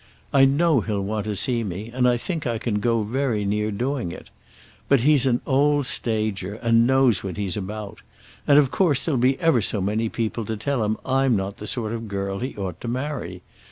I know he'll want to see me, and I think I can go very near doing it. But he's an old stager and knows what he's about: and of course there'll be ever so many people to tell him I'm not the sort of girl he ought to marry.